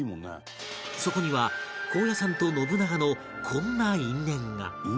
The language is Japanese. そこには高野山と信長のこんな因縁が